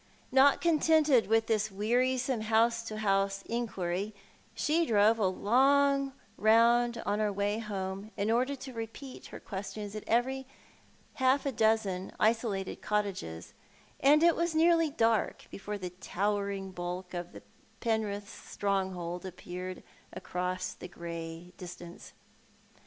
Not contented with this wearisome house to house inquiry, she drove a long round on our way home in order to repeat her questions at half a dozen isolated cottages ; and it was nearly dark before the towering bulk of the Peariths' stronghold appeared across the grey distance.